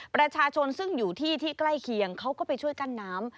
ประชาชนซึ่งอยู่ที่ที่ใกล้เคียงเขาก็ไปช่วยกั้นน้ำ